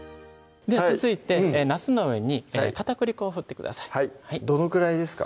続いてなすの上に片栗粉を振ってくださいどのくらいですか？